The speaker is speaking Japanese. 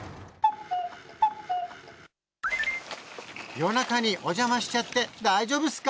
夜中にお邪魔しちゃって大丈夫っすか？